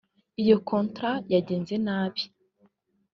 iyo contract yagenze nabi